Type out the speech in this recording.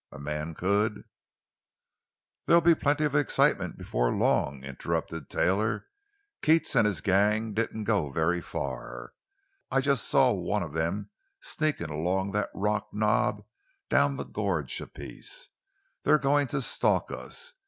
A man could——" "There'll be plenty of excitement before long," interrupted Taylor. "Keats and his gang didn't go very far. I just saw one of them sneaking along that rock knob, down the gorge a piece. They're going to stalk us.